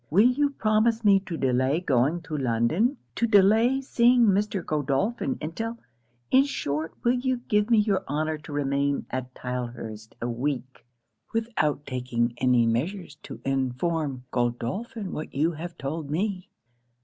Will you promise me to delay going to London to delay seeing Mr. Godolphin until in short, will you give me your honour to remain at Tylehurst a week, without taking any measures to inform Godolphin of what you have told me.